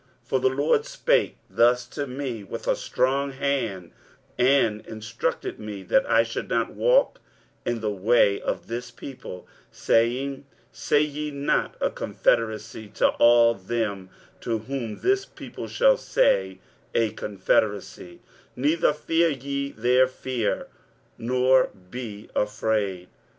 23:008:011 For the LORD spake thus to me with a strong hand, and instructed me that I should not walk in the way of this people, saying, 23:008:012 Say ye not, A confederacy, to all them to whom this people shall say, A confederacy; neither fear ye their fear, nor be afraid.